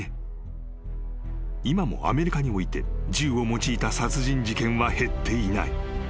今もアメリカにおいて銃を用いた殺人事件は減っていない］